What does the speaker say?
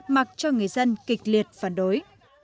mặc cho người dân kịch liệt phản đối